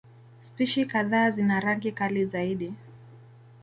Spishi kadhaa zina rangi kali zaidi.